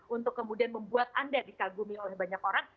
untuk kemudian membuat anda dikagumi oleh banyak orang